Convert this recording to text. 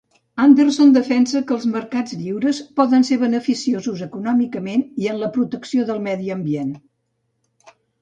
Anderson defensa que els mercats lliures poden ser beneficiosos econòmicament i en la protecció del medi ambient.